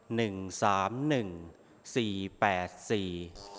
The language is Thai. หนึ่งสามหนึ่งสี่แปดสี่